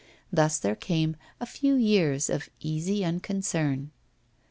Thus there came a few years of easy unconcern.